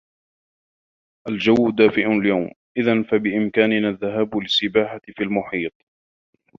الجو دافئ اليوم، آذا فبإمكاننا الذهاب للسباحة في المحيط.